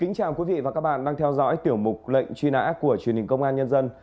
xin chào quý vị và các bạn đang theo dõi tiểu mục lệnh truy nã của truyền hình công an nhân dân